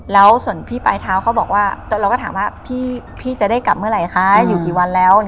แล้วส่วนพี่ปลายเท้าเขาบอกว่าเราก็ถามว่าพี่จะได้กลับเมื่อไหร่คะอยู่กี่วันแล้ว